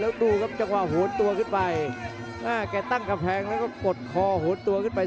แล้วดูครับจังหวังโหโต้ขึ้นไปอ้าแต่ตั้งขับแพงแล้วก็ปลดคอโหโต้ขึ้นไป